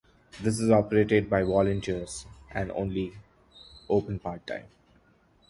This is operated by volunteers and only open part-time.